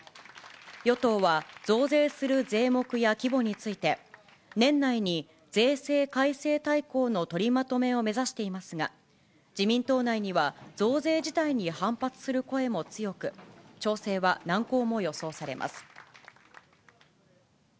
与党は、増税する税目や規模について、年内に税制改正大綱の取りまとめを目指していますが、自民党内には増税自体に反発する声も強く、調整は難航も予想されます。